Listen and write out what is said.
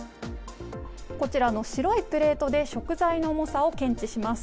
こちらの白いプレートで食材の重さを検知します。